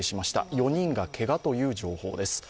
４人がけがという情報です。